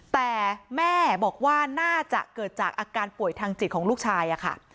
แต่แม่บอกว่าน่าจะเกิดจากอาการป่วยทางจิตของลูกชายค่ะ